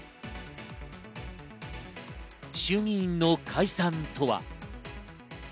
衆議院の解散とは？